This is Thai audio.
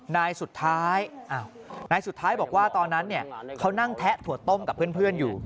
นายสุดท้ายนายสุดท้ายบอกว่าตอนนั้นเขานั่งแทะถั่วต้มกับเพื่อนอยู่